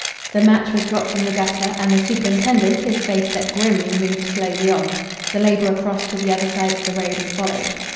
The match, was dropped in the gutter, and the superintendent, his face set grimly, moved slowly on. The labourer crossed to the other side of the road and followed.